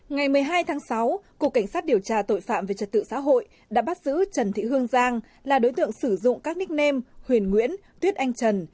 ngày một mươi hai tháng sáu cục cảnh sát điều tra tội phạm về trật tự xã hội đã bắt giữ trần thị hương giang là đối tượng sử dụng các nickname huyền nguyễn tuyết anh trần